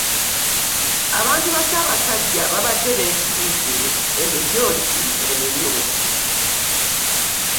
Abantu ba Ssaabasajja baabadde beetimbye emijoozi emimyufu